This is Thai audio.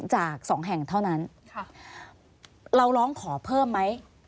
จากสองแห่งเท่านั้นเราร้องขอเพิ่มไหม